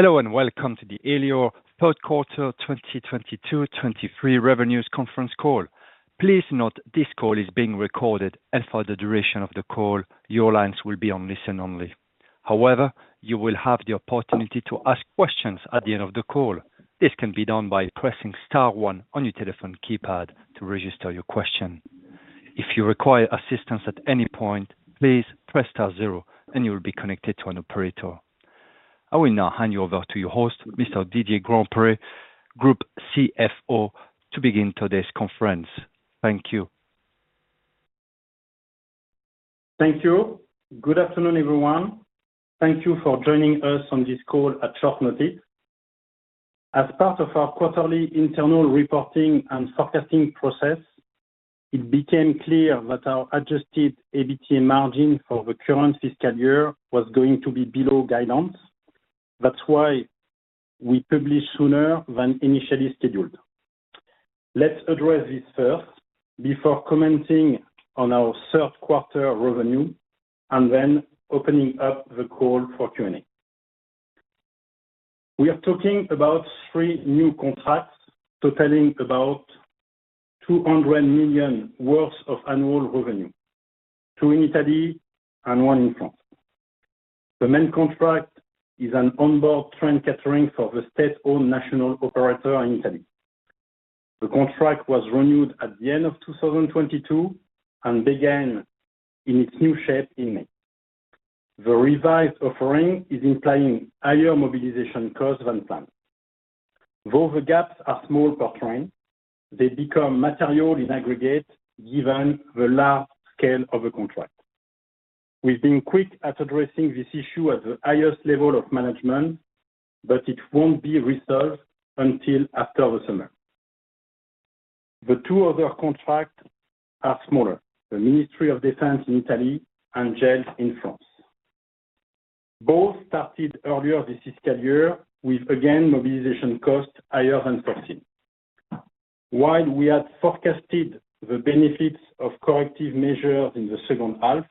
Hello, and welcome to the Elior third quarter 2022, 2023 revenues conference call. Please note this call is being recorded, and for the duration of the call, your lines will be on listen-only. However, you will have the opportunity to ask questions at the end of the call. This can be done by pressing star one on your telephone keypad to register your question. If you require assistance at any point, please press star zero, and you will be connected to an operator. I will now hand you over to your host, Mr. Didier Grandpré, Group CFO, to begin today's conference. Thank you. Thank you. Good afternoon, everyone. Thank you for joining us on this call at short notice. As part of our quarterly internal reporting and forecasting process, it became clear that our adjusted EBITA margin for the current fiscal year was going to be below guidance. That's why we published sooner than initially scheduled. Let's address this first before commenting on our third quarter revenue and then opening up the call for Q&A. We are talking about three new contracts totaling about 200 million worth of annual revenue, two in Italy and one in France. The main contract is an onboard train catering for the state-owned national operator in Italy. The contract was renewed at the end of 2022 and began in its new shape in May. The revised offering is implying higher mobilization costs than planned. Though the gaps are small per train, they become material in aggregate given the large scale of the contract. We've been quick at addressing this issue at the highest level of management, but it won't be resolved until after the summer. The two other contracts are smaller: the Ministry of Defense in Italy and Jail in France. Both started earlier this fiscal year, with, again, mobilization costs higher than expected. While we had forecasted the benefits of corrective measures in the 2nd half,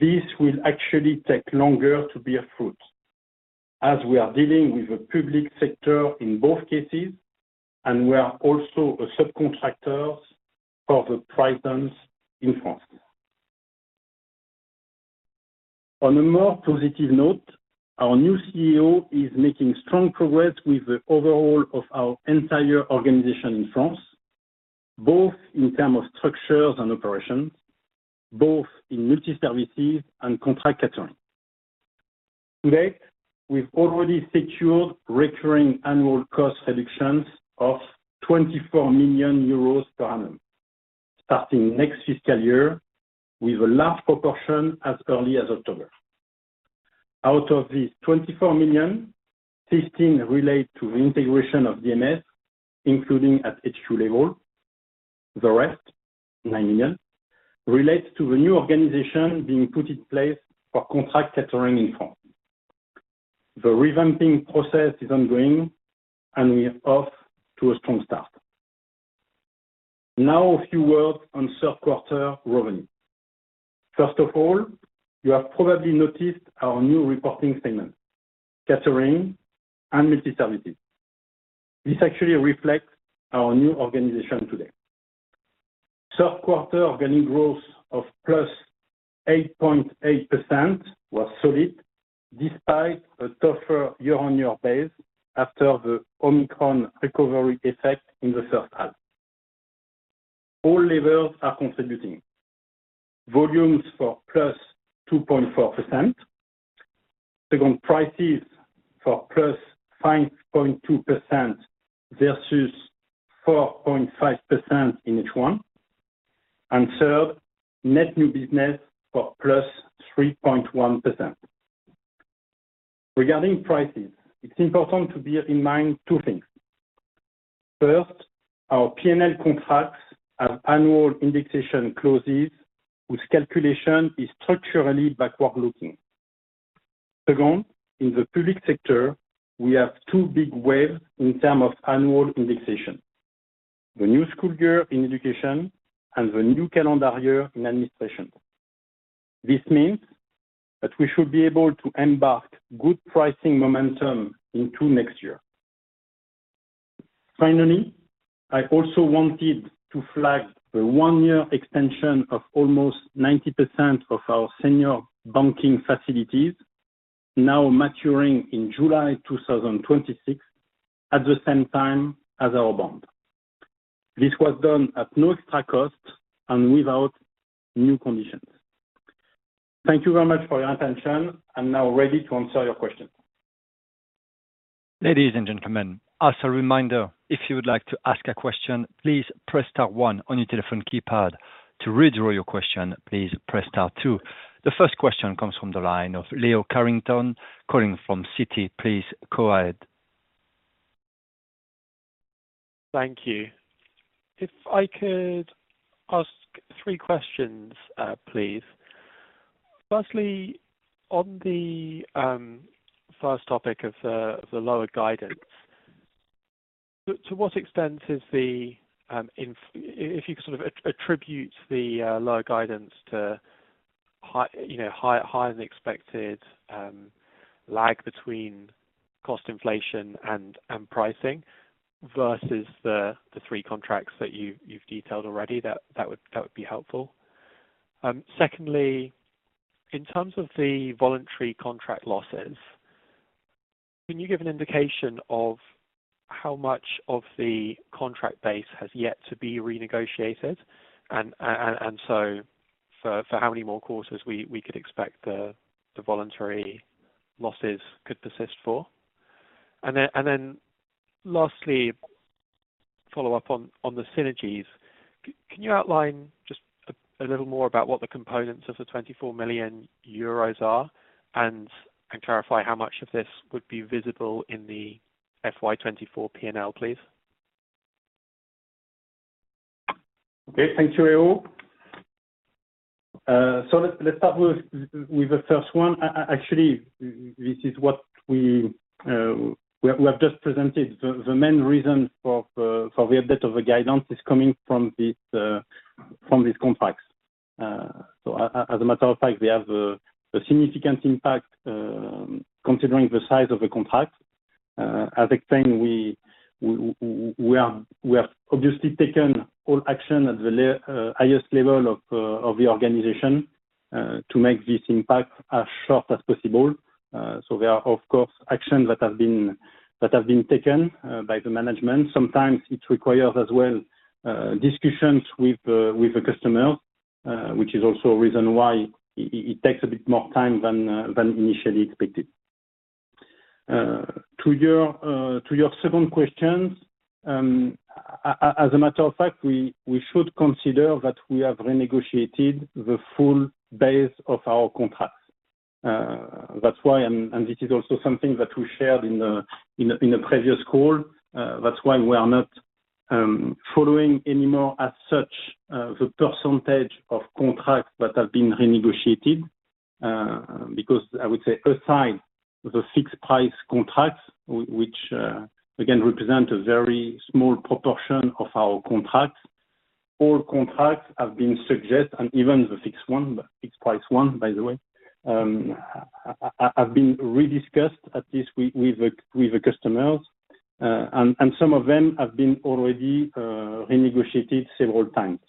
this will actually take longer to bear fruit as we are dealing with the public sector in both cases, and we are also a subcontractor for the price in France. On a more positive note, our new CEO is making strong progress with the overhaul of our entire organization in France, both in terms of structures and operations, both in multiservices and contract catering. To date, we've already secured recurring annual cost reductions of 24 million euros per annum, starting next fiscal year, with a large proportion as early as October. Out of these 24 million, 16 relate to the integration of DMS, including at HQ level. The rest, 9 million, relates to the new organization being put in place for contract catering in France. The revamping process is ongoing, and we are off to a strong start. Now, a few words on third quarter revenue. First of all, you have probably noticed our new reporting segment, catering and multiservices. This actually reflects our new organization today. Third quarter organic growth of +8.8% was solid, despite a tougher year-on-year base after the Omicron recovery effect in the first half. All levels are contributing. Volumes for +2.4%, Second, prices for +5.2% versus 4.5% in H1, Third, net new business for +3.1%. Regarding prices, it's important to bear in mind two things. First, our P&L contracts have annual indexation clauses, whose calculation is structurally backward-looking. Second, in the public sector, we have two big waves in term of annual indexation: the new school year in Education and the new calendar year in administration. This means that we should be able to embark good pricing momentum into next year. Finally, I also wanted to flag the one-year extension of almost 90% of our senior banking facilities, now maturing in July 2026, at the same time as our bond. This was done at no extra cost and without new conditions. Thank you very much for your attention. I'm now ready to answer your questions. Ladies and gentlemen, as a reminder, if you would like to ask a question, please press star one on your telephone keypad. To withdraw your question, please press star two. The first question comes from the line of Leo Carrington, calling from Citi. Please go ahead. Thank you. If I could ask three questions, please. Firstly, on the first topic of the lower guidance. To what extent is if you could sort of attribute the lower guidance to you know, higher than expected lag between cost inflation and pricing, versus the three contracts that you've detailed already? That would be helpful. Secondly, in terms of the voluntary contract losses, can you give an indication of how much of the contract base has yet to be renegotiated? So for how many more quarters we could expect the voluntary losses could persist for? Then lastly, follow up on the synergies. Can you outline just a little more about what the components of the 24 million euros are, and clarify how much of this would be visible in the FY 2024 P&L, please? Okay, thank you, Leo. Let's start with the first one. Actually, this is what we have just presented. The main reasons for the update of the guidance is coming from these contracts. As a matter of fact, we have a significant impact considering the size of the contract. At the time, we have obviously taken all action at the highest level of the organization to make this impact as short as possible. There are, of course, actions that have been taken by the management. Sometimes it requires as well, discussions with the customer, which is also a reason why it takes a bit more time than initially expected. To your second questions, as a matter of fact, we should consider that we have renegotiated the full base of our contracts. That's why, this is also something that we shared in the previous call. That's why we are not following anymore as such, the percentage of contracts that have been renegotiated. Because I would say aside the fixed price contracts, which again, represent a very small proportion of our contracts, all contracts have been suggest and even the fixed one, fixed price one, by the way, have been re-discussed, at least with the customers, and some of them have been already renegotiated several times.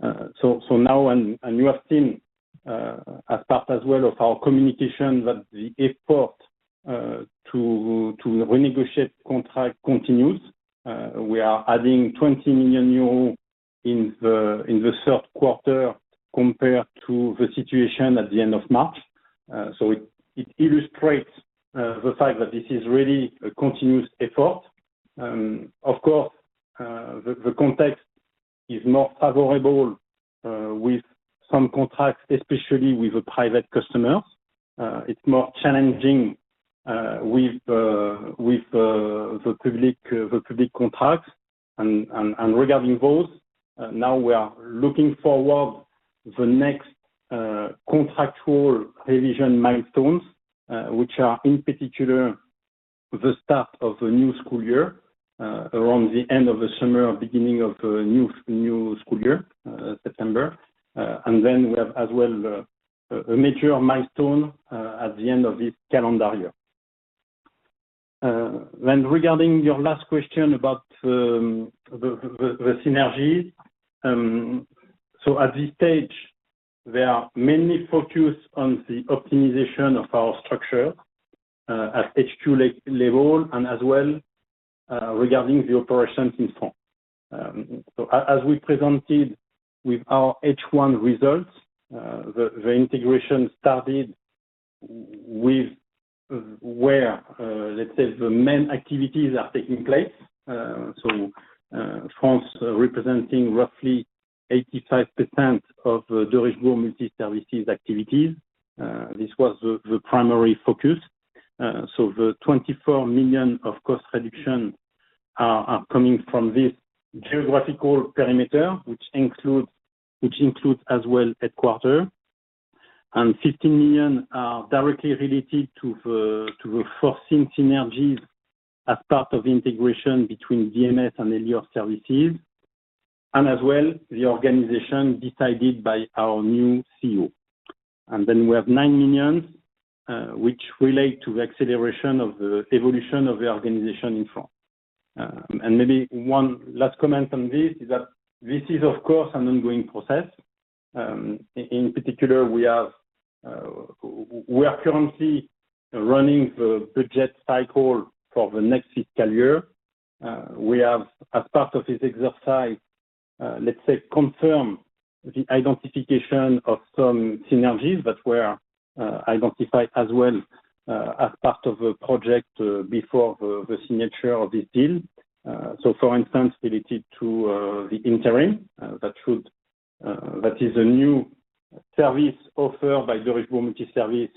Now, and you have seen, as part as well of our communication, that the effort to renegotiate contract continues. We are adding 20 million euros in the third quarter, compared to the situation at the end of March. It illustrates the fact that this is really a continuous effort. Of course, the context is not favorable, with some contracts, especially with the private customers. It's more challenging, with the public contracts. Regarding those, now we are looking forward the next contractual revision milestones, which are in particular, the start of a new school year, around the end of the summer or beginning of a new school year, September. We have as well a major milestone at the end of this calendar year. Regarding your last question about the synergies, at this stage, we are mainly focused on the optimization of our structure at HQ level and as well regarding the operations in France. As we presented with our H1 results, the integration started with where, let's say the main activities are taking place. France representing roughly 85% of the Derichebourg Multiservices activities. This was the primary focus. The 24 million of cost reduction are coming from this geographical perimeter, which includes as well headquarters. 15 million are directly related to the forcing synergies as part of integration between DMS and Elior Services, and as well, the organization decided by our new CEO. We have 9 million which relate to the acceleration of the evolution of the organization in France. Maybe one last comment on this, is that this is, of course, an ongoing process. In particular, we are currently running the budget cycle for the next fiscal year. We have, as part of this exercise, let's say confirm the identification of some synergies that were identified as well as part of a project before the signature of this deal. So for instance, related to the interim that should. That is a new service offered by Derichebourg Multiservices,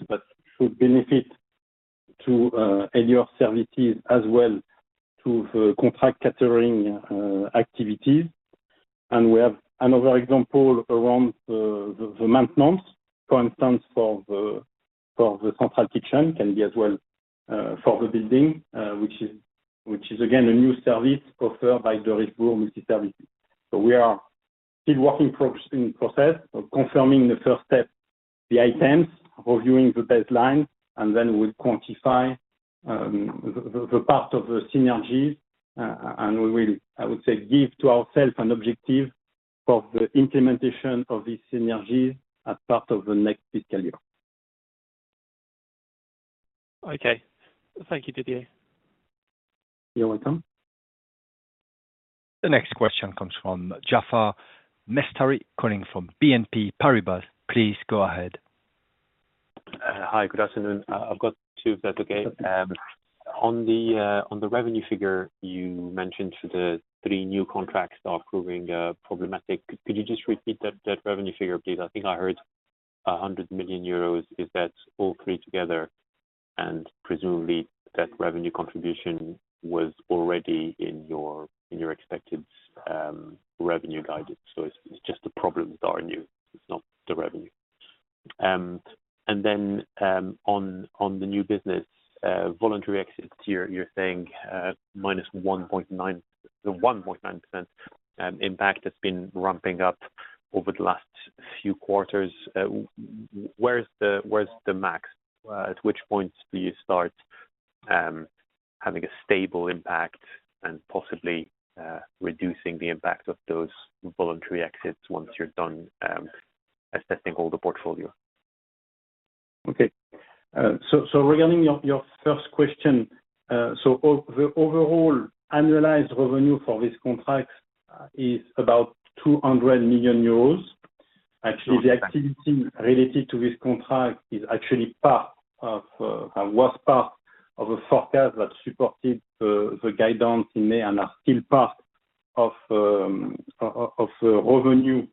should benefit to Elior services as well to the contract catering activities. We have another example around the maintenance, for instance, for the central kitchen, can be as well for the building, which is again, a new service offered by Derichebourg Multiservices. We are still working in process of confirming the first step, the items, reviewing the baseline, and then we'll quantify the part of the synergies, and we will, I would say, give to ourself an objective for the implementation of these synergies as part of the next fiscal year. Okay. Thank you, Didier. You're welcome. The next question comes from Jaafar Mestari, calling from Exane BNP Paribas. Please go ahead. Hi, good afternoon. I've got two, if that's okay. On the revenue figure, you mentioned the three new contracts are proving problematic. Could you just repeat that revenue figure, please? I think I heard 100 million euros. Is that all three together? Presumably, that revenue contribution was already in your expected revenue guidance. It's just the problems that are new, it's not the revenue. On the new business, voluntary exits, you're saying -1.9... The 1.9% impact has been ramping up over the last few quarters. Where's the max? At which point do you start having a stable impact and possibly reducing the impact of those voluntary exits once you're done assessing all the portfolio? Okay. Regarding your first question, the overall annualized revenue for this contract is about 200 million euros. Actually, the activity related to this contract is actually part of, was part of a forecast that supported the guidance in May and are still part of the revenue,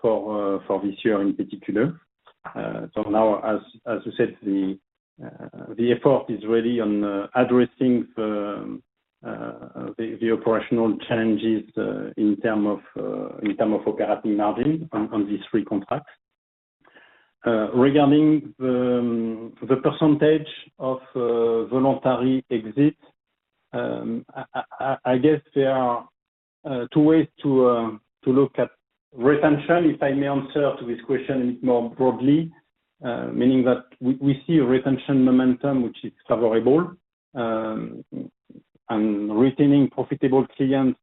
for this year in particular. Now, as you said, the effort is really on addressing the operational challenges, in term of operating margin on these three contracts. Regarding the percentage of voluntary exit, I guess there are two ways to look at retention, if I may answer to this question more broadly. Meaning that we see a retention momentum, which is favorable, and retaining profitable clients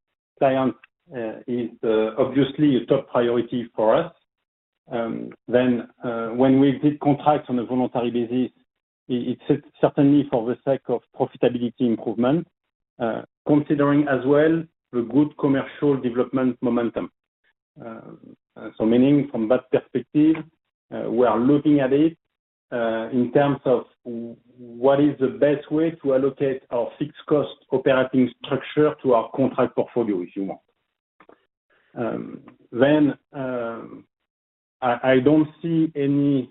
is obviously a top priority for us. When we did contracts on a voluntary basis, it's certainly for the sake of profitability improvement, considering as well the good commercial development momentum. Meaning from that perspective, we are looking at it in terms of what is the best way to allocate our fixed cost operating structure to our contract portfolio, if you want. I don't see any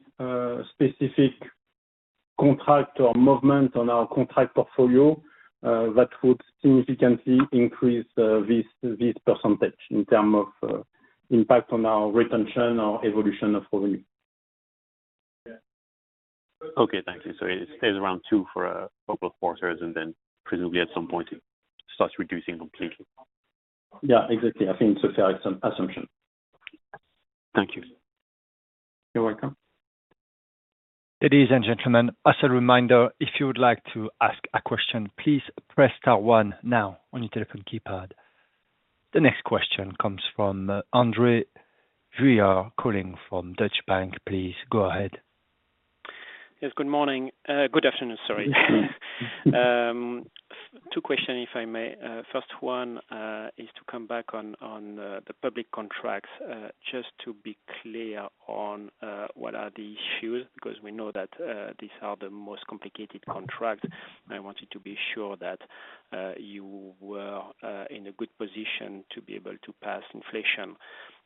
specific contract or movement on our contract portfolio that would significantly increase this percentage in term of impact on our retention or evolution of volume. Okay, thank you. It stays around two for a couple of quarters, and then presumably at some point, it starts reducing completely. Yeah, exactly. I think it's a fair assumption. Thank you. You're welcome. Ladies and gentlemen, as a reminder, if you would like to ask a question, please press star one now on your telephone keypad. The next question comes from André Juillard, calling from Deutsche Bank. Please go ahead. Yes, good morning. Good afternoon, sorry. two question, if I may. First one is to come back on the public contracts. Just to be clear on what are the issues, because we know that these are the most complicated contracts. I wanted to be sure that you were in a good position to be able to pass inflation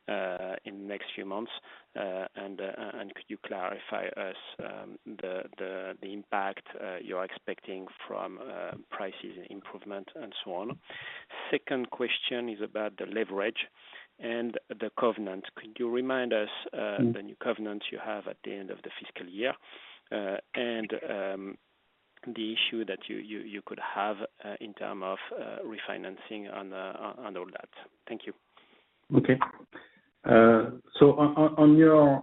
in the next few months. Could you clarify us the impact you're expecting from prices improvement and so on? Second question is about the leverage and the covenant. Could you remind us? Mm-hmm the new covenants you have at the end of the fiscal year, and the issue that you could have, in term of, refinancing on all that? Thank you. Okay. On your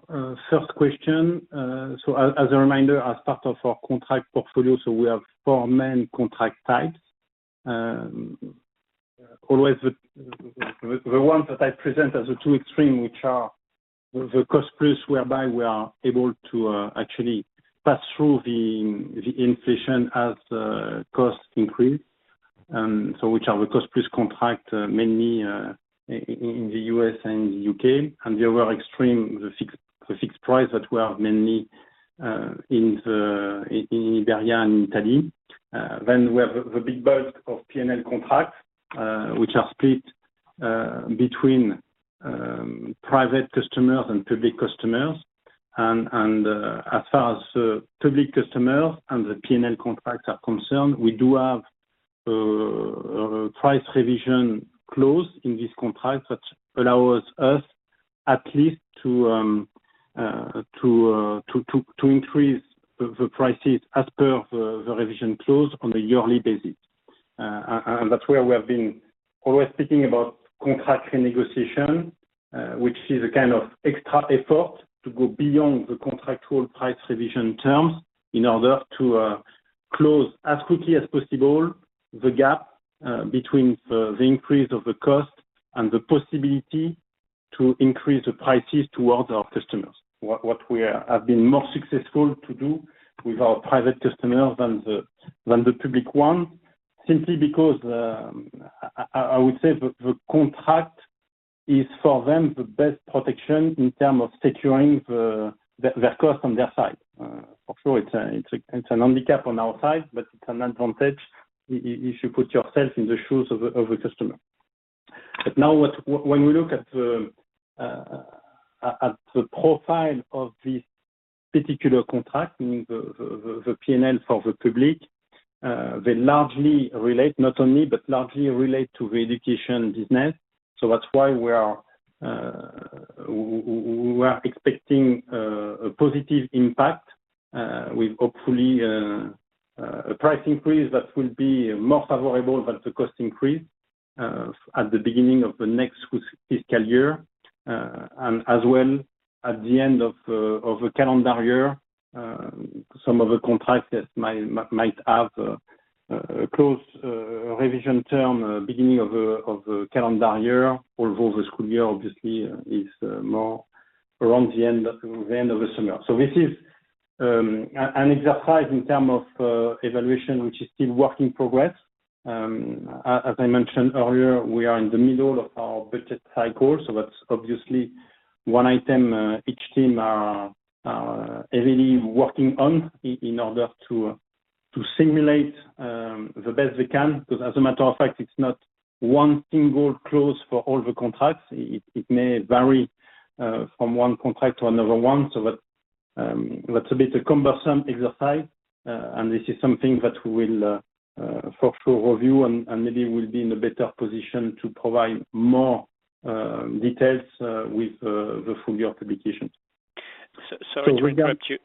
first question, as a reminder, as part of our contract portfolio, we have four main contract types. Always the ones that I present as the two extreme, which are the cost plus, whereby we are able to actually pass through the inflation as costs increase, which are the cost plus contract, mainly in the U.S. and U.K., and the other extreme, the fixed price that we have mainly in Iberia and Italy. We have the big bulk of P&L contracts, which are split between private customers and public customers. As far as public customers and the P&L contracts are concerned, we do have a price revision clause in this contract that allows us at least to increase the prices as per the revision clause on a yearly basis. That's where we have been always speaking about contract renegotiation, which is a kind of extra effort to go beyond the contractual price revision terms in order to close as quickly as possible the gap between the increase of the cost and the possibility to increase the prices towards our customers. What we have been more successful to do with our private customers than the public one, simply because I would say the contract is for them, the best protection in term of securing their cost on their side. For sure it's a handicap on our side, but it's an advantage if you put yourself in the shoes of the customer. Now when we look at the profile of this particular contract, meaning the P&L for the public, they largely relate, not only, but largely relate to the Education business. That's why we are expecting a positive impact with hopefully a price increase that will be more favorable than the cost increase at the beginning of the next school fiscal year. As well, at the end of the calendar year, some of the contracts that might have a close revision term beginning of the calendar year, although the school year obviously is more around the end of the summer. This is an exercise in term of evaluation, which is still work in progress. As I mentioned earlier, we are in the middle of our budget cycle, that's obviously one item each team are really working on in order to simulate the best they can. 'Cause as a matter of fact, it's not one single clause for all the contracts. It may vary from one contract to another one. That's a bit a cumbersome exercise, and this is something that we will for sure review, and maybe we'll be in a better position to provide more details with the full year publication. Sorry to interrupt you.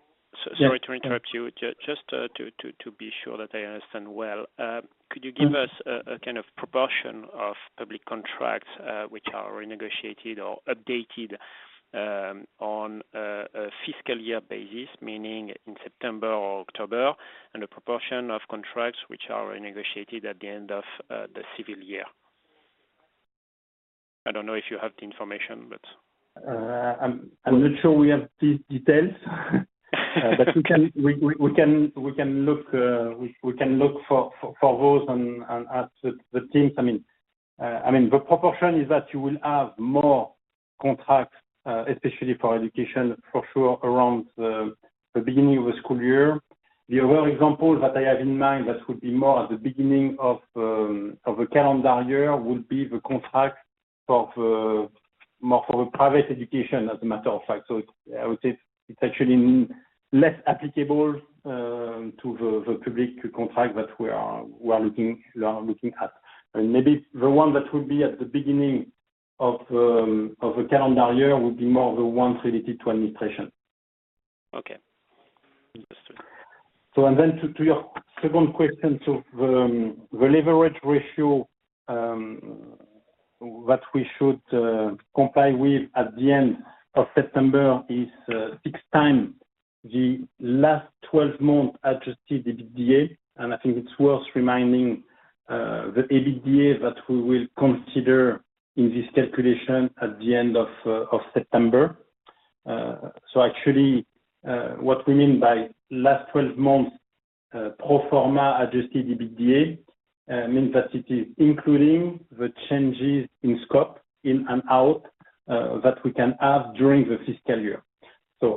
Yeah. Sorry to interrupt you. Just to be sure that I understand well. Mm-hmm. Could you give us a kind of proportion of public contracts which are renegotiated or updated on a fiscal year basis, meaning in September or October, and the proportion of contracts which are renegotiated at the end of the civil year? I don't know if you have the information, but? I'm not sure we have these details. We can look for those and ask the teams. I mean, the proportion is that you will have more contracts, especially for Education, for sure around the beginning of the school year. The other example that I have in mind that would be more at the beginning of a civil year, would be the contract of more for the private Education, as a matter of fact. I would say it's actually less applicable to the public sector contract that we are looking at. Maybe the one that would be at the beginning of a civil year, would be more the ones related to administration. Okay. Understood. To your second question to the leverage ratio, that we should comply with at the end of September, is 6x the last twelve months adjusted EBITDA. I think it's worth reminding, the adjusted EBITDA that we will consider in this calculation at the end of September. Actually, what we mean by last twelve months, pro forma adjusted EBITDA, means that it is including the changes in scope in and out, that we can have during the fiscal year.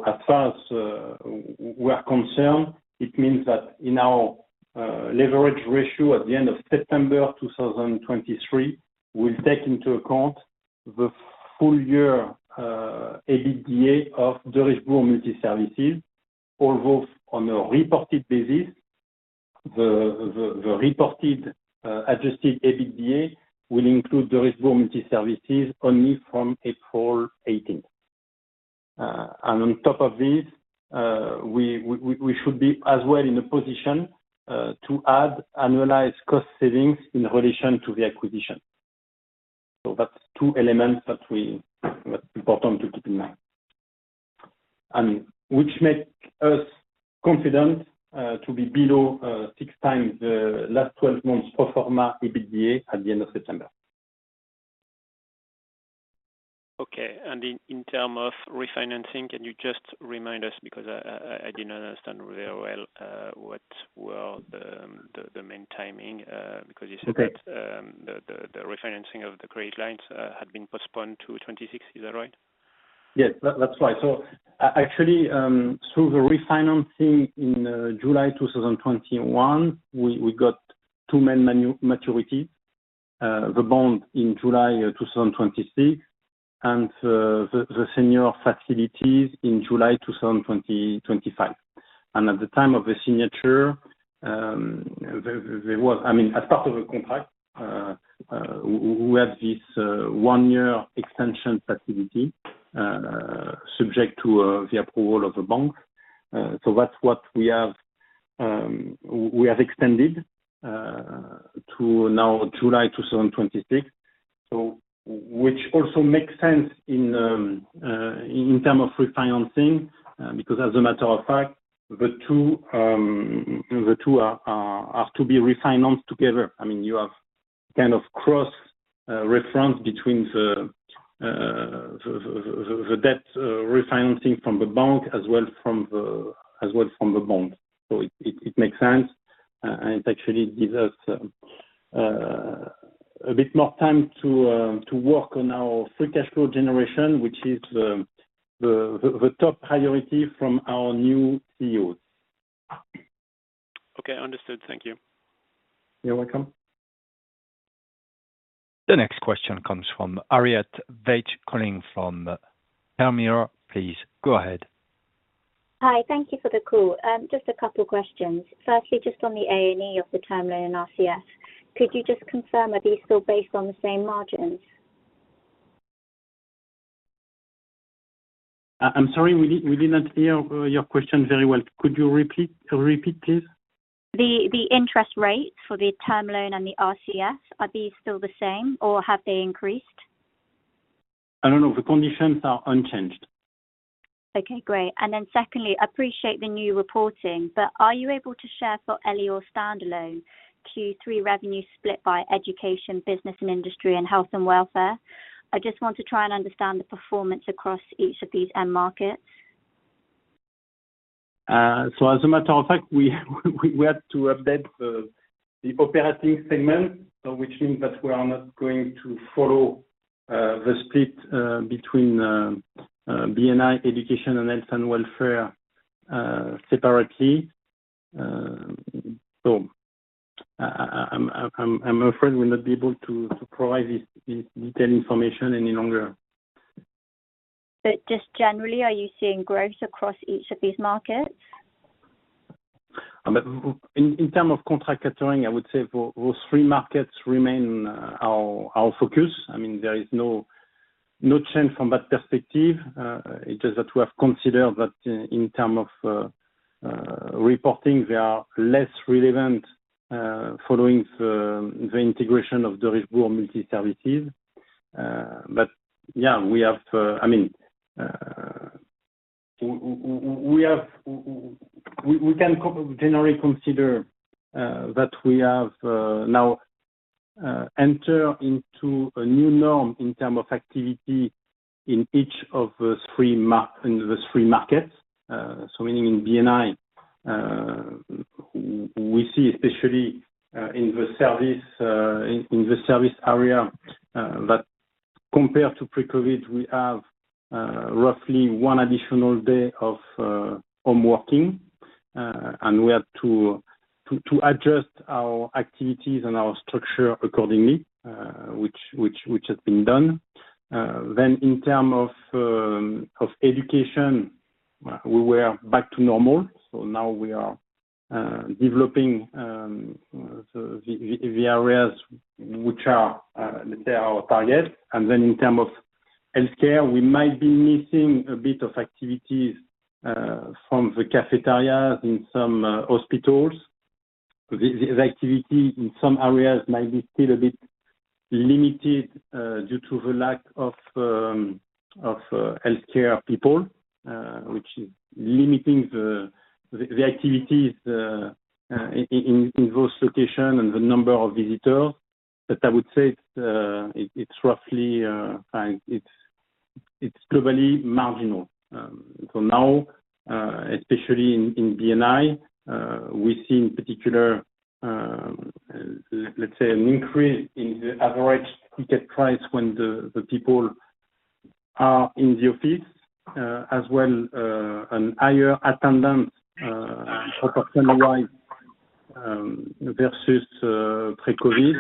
As far as we are concerned, it means that in our leverage ratio at the end of September 2023, we'll take into account the full year EBITDA of Derichebourg Multiservices, although on a reported basis, the reported adjusted EBITDA will include Derichebourg Multiservices only from April 18th. On top of this, we should be as well in a position to add annualized cost savings in addition to the acquisition. That's two elements that we, that's important to keep in mind, and which make us confident to be below 6x the last 12 months pro forma EBITDA at the end of September. Okay. In term of refinancing, can you just remind us, because I didn't understand very well, what were the main timing? Okay. Because you said that the refinancing of the credit lines had been postponed to 2026. Is that right? Yes, that's right. Actually, through the refinancing in July 2021, we got two main maturities, the bond in July 2026, and the senior facilities in July 2025. At the time of the signature, I mean, as part of the contract, we have this one-year extension facility, subject to the approval of the bank. That's what we have extended to now July 2026, which also makes sense in term of refinancing, because as a matter of fact, the two are to be refinanced together. I mean, you have kind of cross reference between the debt refinancing from the bank as well from the bond. It makes sense, and it actually gives us a bit more time to work on our free cash flow generation, which is the top priority from our new CEO. Okay, understood. Thank you. You're welcome. The next question comes from [Harriet Beech Bernstein]. Please, go ahead. Hi, thank you for the call. Just a couple questions. Firstly, just on the A&E of the term loan and RCF, could you just confirm, are these still based on the same margins? I'm sorry, we did not hear your question very well. Could you repeat, please? The interest rates for the term loan and the RCF, are these still the same or have they increased? I don't know. The conditions are unchanged. Okay, great. Secondly, I appreciate the new reporting, but are you able to share for Elior standalone Q3 revenue split by Education, Business & Industry, and Health & Welfare? I just want to try and understand the performance across each of these end markets. As a matter of fact, we had to update the operating segment, which means that we are not going to follow the split between BNI, Education, and Health & Welfare separately. I'm afraid we'll not be able to provide this detailed information any longer. Just generally, are you seeing growth across each of these markets? In term of contract catering, I would say for those three markets remain, our focus. I mean, there is no change from that perspective. It's just that we have considered that in term of reporting, they are less relevant following the integration of the Derichebourg Multiservices. Yeah, we have to, I mean, we can generally consider that we have now enter into a new norm in term of activity in each of the three markets. Meaning in BNI, we see, especially in the service area, that compared to pre-Covid, we have roughly one additional day of home working, and we had to adjust our activities and our structure accordingly, which has been done. Then in term of Education, we were back to normal. Now we are developing the areas which are they are our target. Then in term of healthcare, we might be missing a bit of activities from the cafeterias in some hospitals. The activity in some areas might be still a bit limited due to the lack of healthcare people, which is limiting the activities in those locations and the number of visitors. I would say it's roughly like it's globally marginal. Now, especially in BNI, we see in particular, let's say an increase in the average ticket price when the people are in the office, as well, an higher attendance, personalized versus pre-Covid.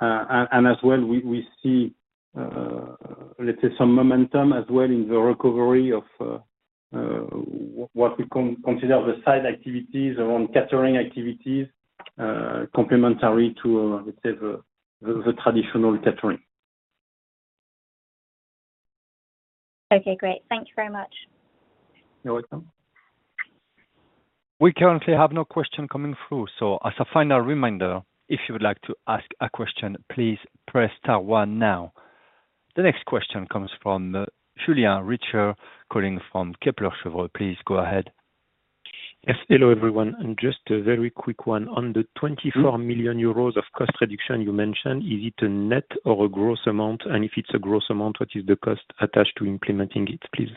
As well, we see let's say some momentum as well in the recovery of what we consider the site activities around catering activities, complementary to let's say the traditional catering. Okay, great. Thank you very much. You're welcome. We currently have no question coming through. As a final reminder, if you would like to ask a question, please press star one now. The next question comes from Julien Richer, calling from Kepler Cheuvreux. Please go ahead. Yes. Hello, everyone. Just a very quick one. On the 24 million euros of cost reduction you mentioned, is it a net or a gross amount? If it's a gross amount, what is the cost attached to implementing it, please?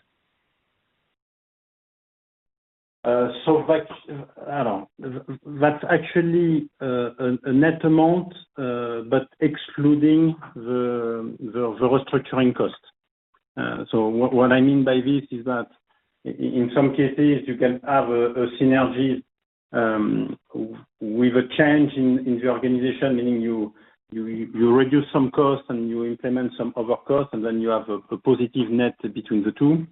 Like, that's actually a net amount, but excluding the restructuring cost. What I mean by this is that in some cases, you can have a synergy, with a change in the organization, meaning you reduce some costs and you implement some other costs, and then you have a positive net between the two.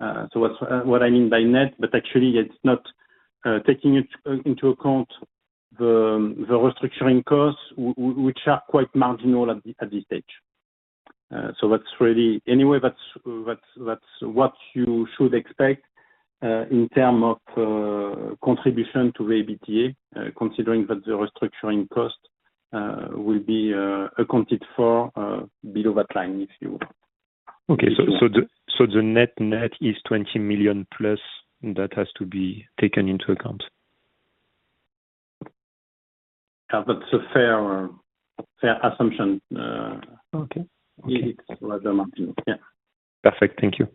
That's what I mean by net, but actually, it's not taking into account the restructuring costs, which are quite marginal at this stage. That's really. Anyway, that's what you should expect in term of contribution to the EBITDA, considering that the restructuring cost will be accounted for below that line, if you will. Okay. The net is 20 million+s that has to be taken into account? Yeah, that's a fair assumption. Okay. It's rather marginal. Yeah. Perfect. Thank you.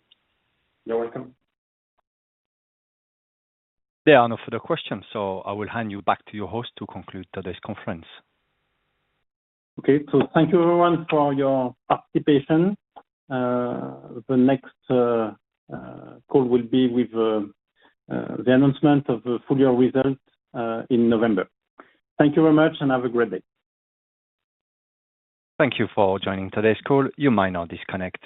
You're welcome. There are no further questions, so I will hand you back to your host to conclude today's conference. Okay. Thank you everyone for your participation. The next call will be with the announcement of the full year results in November. Thank you very much, and have a great day. Thank you for joining today's call. You may now disconnect.